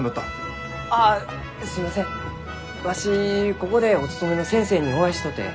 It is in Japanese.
ここでお勤めの先生にお会いしとうて。